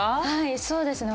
そうですね。